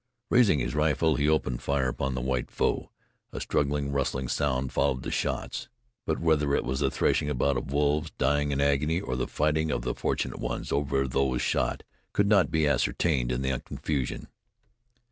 Raising his rifle he opened fire upon the white foe. A struggling, rustling sound followed the shots. But whether it was the threshing about of wolves dying in agony, or the fighting of the fortunate ones over those shot, could not be ascertained in the confusion.